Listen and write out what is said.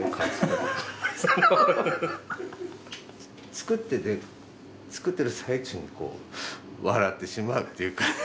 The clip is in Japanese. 作っていて作っている最中にこう笑ってしまうっていうか。